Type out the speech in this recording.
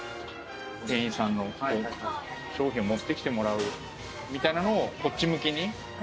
店員さんの商品を持ってきてもらうみたいなのをこっち向きに。